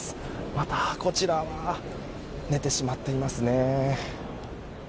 また、こちらは寝てしまっていますね。